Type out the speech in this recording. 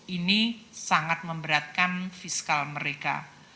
ini sangat memberatkan fiskal mereka